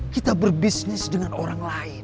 kita berbisnis dengan orang lain